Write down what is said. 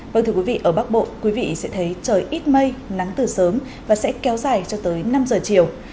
vâng thưa quý vị ở bắc bộ quý vị sẽ thấy trời ít mây nắng từ sớm và sẽ kéo dài cho tới năm giờ chiều